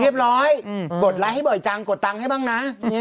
เรียบร้อยกดไลค์ให้บ่อยจังกดตังค์ให้บ้างนะ